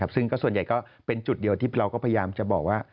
ซึ่งส่วนใหญ่ก็เป็นจุดเดียวที่เราก็พยายามจะบอกว่า